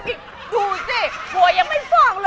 สูงไป